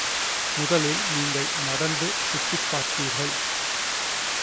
முதலில் நீங்கள் நடந்து சுற்றிப் பார்த்தீர்கள்.